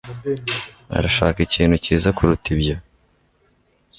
arashaka ikintu cyiza kuruta ibyo